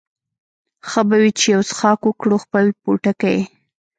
ښه به وي چې یو څښاک وکړو، خپل پوټکی یې.